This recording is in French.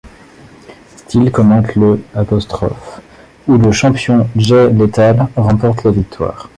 Styles commente le ' où le champion Jay Lethal remporte la victoire.